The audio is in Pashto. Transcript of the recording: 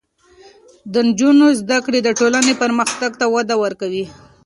د نجونو زده کړې د ټولنې پرمختګ ته وده ورکوي.